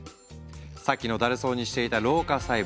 さっきのだるそうにしていた老化細胞。